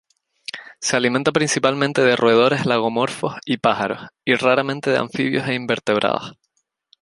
Se alimenta principalmente de roedores, lagomorfos y pájaros, y raramente de anfibios e invertebrados.